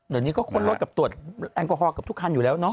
เดี๋ยวนี้ก็ค้นรถกับตรวจแอลกอฮอลกับทุกคันอยู่แล้วเนาะ